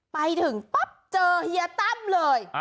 ไปถึงปั๊บเจอเฮียตั้มเลย